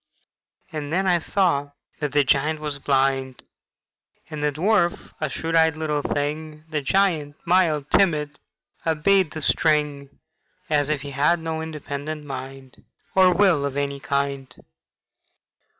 And then I saw that the giant was blind, And the dwarf a shrewd eyed little thing; The giant, mild, timid, obeyed the string As if he had no independent mind, Or will of any kind.